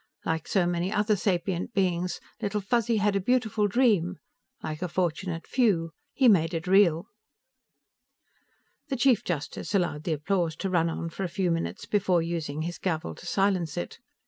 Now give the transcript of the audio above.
Like so many other sapient beings, Little Fuzzy had a beautiful dream; like a fortunate few, he made it real." The Chief Justice allowed the applause to run on for a few minutes before using his gavel to silence it.